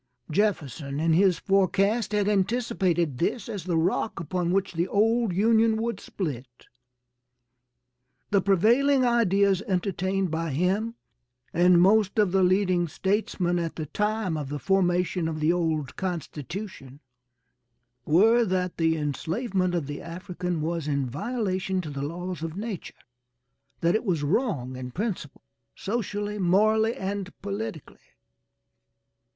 Jefferson in his forecast had anticipated this as the rock upon which the old Union would split. The prevailing ideas entertained by him and most of the leading statesmen at the time of the formation of the old constitution, were that the enslavement of the African was in violation to the laws of nature; that it was wrong in principle socially, morally and politically."